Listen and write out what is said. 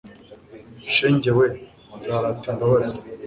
shenge we, nzarata imbabazi